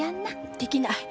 できない。